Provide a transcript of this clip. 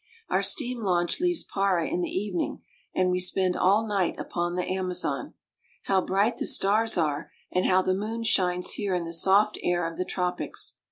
Our steam launch leaves Para in the evening, and we spend all night upon the Amazon. How bright the stars are, and how the moon shines here in the soft air of the tropics!